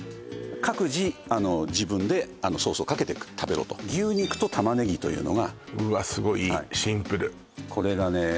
各自自分でソースをかけて食べろと牛肉と玉ねぎというのがうわすごいいいシンプルこれがね